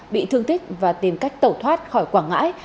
bị thương tích và tìm cách tẩu thoát khỏi quảng ngãi